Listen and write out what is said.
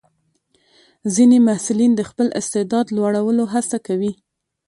ځینې محصلین د خپل استعداد لوړولو هڅه کوي.